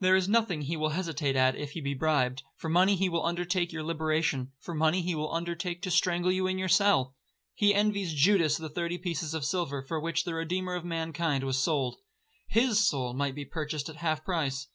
There is nothing he will hesitate at if he be bribed;—for money he will undertake your liberation—for money he will undertake to strangle you in your cell. He envies Judas the thirty pieces of silver for which the Redeemer of mankind was sold. His soul might be purchased at half price.